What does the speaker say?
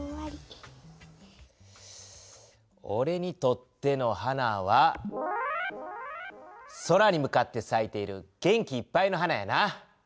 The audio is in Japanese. おれにとっての花は空に向かってさいている元気いっぱいの花やな。